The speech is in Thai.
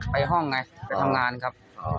ไปห้องไงไปทำงานครับ